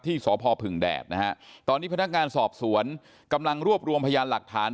ที่สพผึ่งแดดนะฮะตอนนี้พนักงานสอบสวนกำลังรวบรวมพยานหลักฐาน